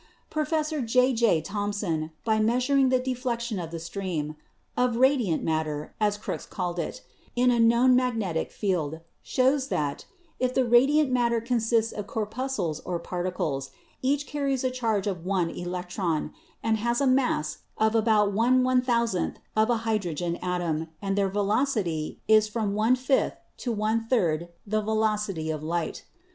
Professor J. J. Thomson, by measuring the deflection of the stream (of 'radiant matter/ as Crookes called it) in a known magnetic field, shows that, if the radiant matter consists of corpuscles or particles, each carries a charge of one 'electron,' and has a mass of about x /iooo of a hy drogen atom, and their velocity is from y$ to y$ the veloc ity of light.